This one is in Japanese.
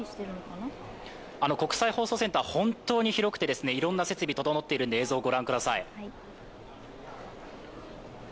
国際放送センターは本当に広くていろんな設備が整っているのですが、映像をご覧ください。